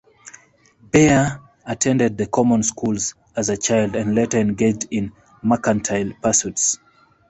Baer attended the common schools as a child, and later engaged in mercantile pursuits.